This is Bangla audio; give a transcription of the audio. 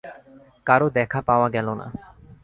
কারো দেখা পাওয়া গেল না।